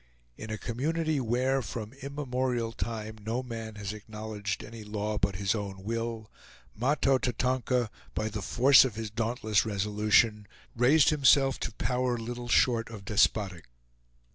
In a community where, from immemorial time, no man has acknowledged any law but his own will, Mahto Tatonka, by the force of his dauntless resolution, raised himself to power little short of despotic.